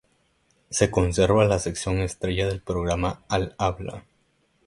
Se conserva la sección estrella del programa "Al habla".